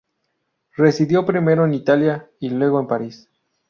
Residió primero en Italia y luego en París.